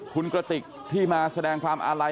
คุณกระติกที่มาแสดงความอาลัย